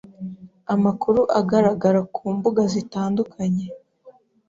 Amakuru agaragara ku mbuga zitandukanye